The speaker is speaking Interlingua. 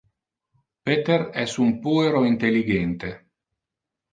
Peter es un puero intelligente.